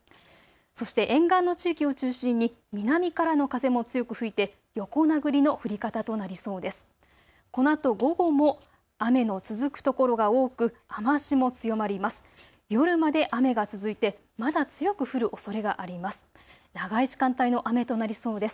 そして沿岸の地域を中心に南からの風も強く吹いて横殴りの降り方となりそうです。